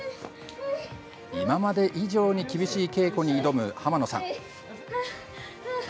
今まで以上に厳しい稽古に挑む濱野さん。